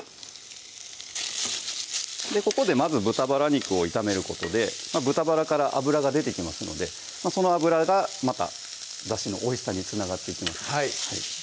ここでまず豚バラ肉を炒めることで豚バラから脂が出てきますのでその脂がまただしのおいしさにつながっていきます